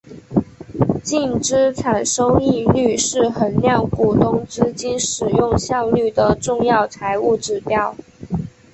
净资产收益率是衡量股东资金使用效率的重要财务指标。